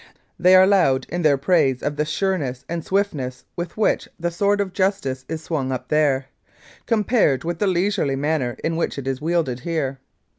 They are loud in their praise of the sureness and swiftness with which the sword of justice is swung up there, compared with the leisurely manner in which it is wielded here.